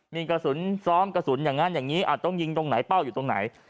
มีกระสุนซ้อมกระสุนอย่างนั้นอย่างนี้อาจต้องยิงตรงไหนเป้าอยู่ตรงไหน